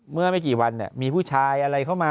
เมื่อไม่กี่วันมีผู้ชายอะไรเข้ามา